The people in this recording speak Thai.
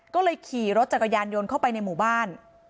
ก็เลยขี่รถจักรยานยนต์เข้าไปในหมู่บ้าน